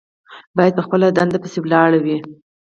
باید په خپله دنده پسې ولاړ وي.